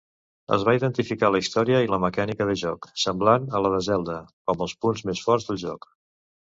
Es va identificar la història i la mecànica de joc, semblant a la de Zelda, com els punts més forts del joc.